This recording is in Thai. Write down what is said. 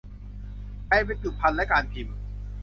ไทยบรรจุภัณฑ์และการพิมพ์